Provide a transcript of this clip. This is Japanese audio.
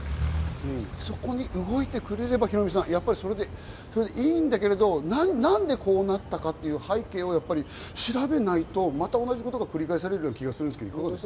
そこに動いてくれれば、ヒロミさん、やっぱりいいんだけれど、何でこうなったかという背景は調べないと、また同じことが繰り返される気がするんですけど。